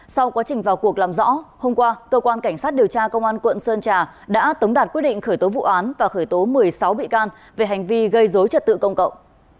sau quá trình vào cuộc làm rõ hôm qua cơ quan cảnh sát điều tra công an quận sơn trà đã tống đạt quyết định khởi tố vụ án và khởi tố một mươi sáu bị can về hành vi gây dối trật tự công cộng